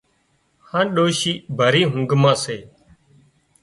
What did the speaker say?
هانَ ڏوشي ڀري اونگھ مان سي